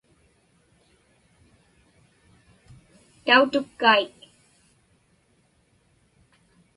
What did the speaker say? Tautukkaik.